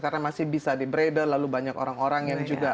karena masih bisa di braidle lalu banyak orang orang yang juga